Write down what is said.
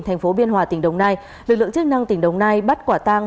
thành phố biên hòa tỉnh đồng nai lực lượng chức năng tỉnh đồng nai bắt quả tang